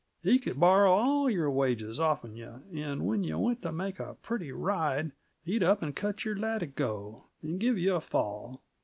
He could borrow all your wages off'n yuh, and when yuh went t' make a pretty ride, he'd up and cut your latigo, and give yuh a fall.